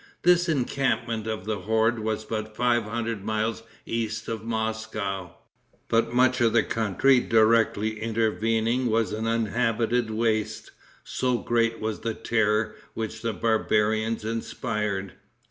This encampment of the horde was but five hundred miles east of Moscow; but much of the country directly intervening was an uninhabited waste, so great was the terror which the barbarians inspired.